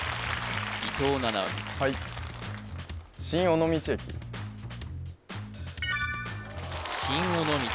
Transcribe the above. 伊藤七海はい新尾道